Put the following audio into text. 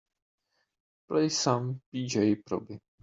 Play some P. J. Proby